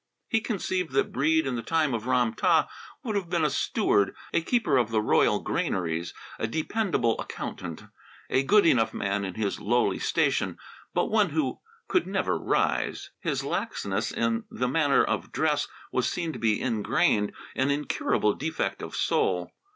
He conceived that Breede in the time of Ram tah would have been a steward, a keeper of the royal granaries, a dependable accountant; a good enough man in his lowly station, but one who could never rise. His laxness in the manner of dress was seen to be ingrained, an incurable defect of soul.